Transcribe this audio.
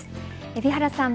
海老原さん。